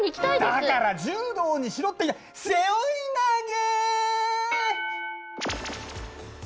だから柔道にしろって背負い投げ！